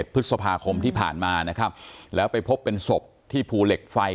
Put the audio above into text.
พฤษภาคมที่ผ่านมานะครับแล้วไปพบเป็นศพที่ภูเหล็กไฟ